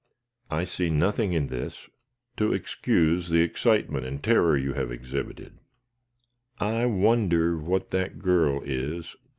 I see nothing in this to excuse the excitement and terror you have exhibited." "I wonder what that girl is?"